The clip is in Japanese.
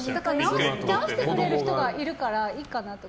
直してくれる人がいるからいいかなって。